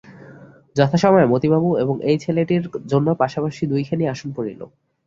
যথাসময়ে মতিবাবু এবং এই ছেলেটির জন্য পাশাপাশি দুইখানি আসন পড়িল।